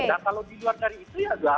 nah kalau di luar dari itu ya